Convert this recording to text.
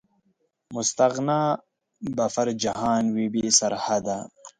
مستغني به پر جهان وي، بې سرحده